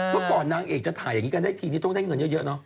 เมื่อก่อนนางเอกจะถ่ายอย่างนี้กันได้ทีนี้ต้องได้เงินเยอะเนาะ